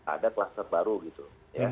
ada kluster baru gitu